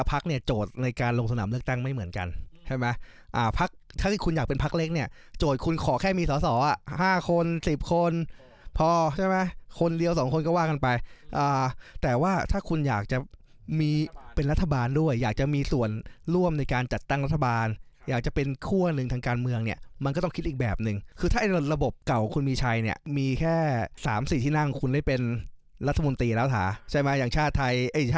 พอแค่มีสอสอห้าคนสิบคนพอใช่ไหมคนเดียวสองคนก็ว่ากันไปแต่ว่าถ้าคุณอยากจะมีเป็นรัฐบาลด้วยอยากจะมีส่วนร่วมในการจัดตั้งรัฐบาลอยากจะเป็นคู่กันหนึ่งทางการเมืองเนี่ยมันก็ต้องคิดอีกแบบหนึ่งคือถ้าระบบเก่าคุณมีชัยเนี่ยมีแค่สามสี่ที่นั่งคุณได้เป็นรัฐมนตรีแล้วสาใช่ไหมอย่างชาติไ